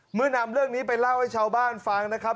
นำเรื่องนี้ไปเล่าให้ชาวบ้านฟังนะครับ